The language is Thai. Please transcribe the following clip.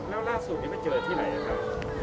แล้วล่าสุดมีใครเจอที่ไหนอ่ะคะ